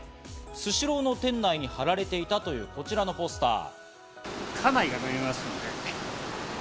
スシローの店内に貼られていたというこちらのポスター。